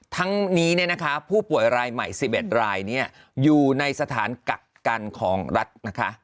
ทั้งนี้ผู้ป่วยรายใหม่๑๑รายอยู่ในสถานกักกันของรัฐนะคะ